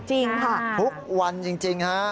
จริงค่ะทุกวันจริงฮะ